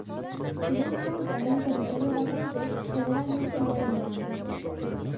Si no encuentran un territorio vacante, generalmente mueren de hambre.